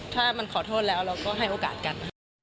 ถ้ามันขอโทษแล้วเราก็ให้โอกาสกัน